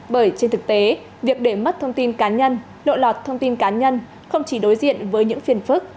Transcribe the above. bởi trên thực tế việc để mất thông tin cá nhân lộ lọt thông tin cá nhân không chỉ đối diện với những phiền phức